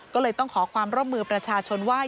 ก็เลยต้องขอความร่วมมือประชาชนว่า